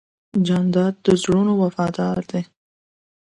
جانداد د زړونو وفادار دی.